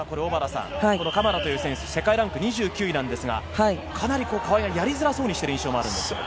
カマラという選手、世界ランク２９位ですが川井がやりづらそうにしている印象があります。